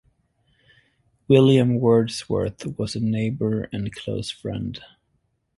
William Wordsworth was a neighbour and close friend.